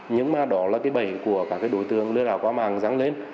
nhưng đó là bầy của đối tượng lừa đảo qua màng răng lên